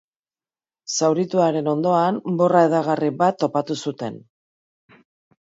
Zaurituaren ondoan, borra hedagarri bat topatu zuten.